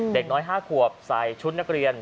เด็กน้อย๕ขวบใส่ชุดนักเรียน